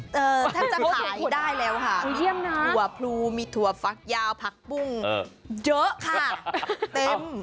แทบจะขายได้แล้วค่ะถั่วพลูมีถั่วฟักยาวผักปุ้งเยอะค่ะเต็ม